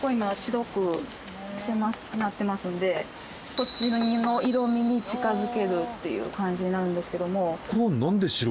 こっちの色味に近づけるっていう感じなんですけども。